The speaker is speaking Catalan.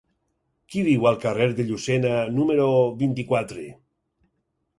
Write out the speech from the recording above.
Qui viu al carrer de Llucena número vint-i-quatre?